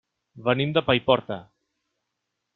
Venim de Paiporta.